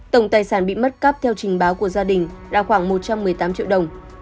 tổng tài sản bị mất cắp theo trình báo của gia đình là khoảng một trăm một mươi tám triệu đồng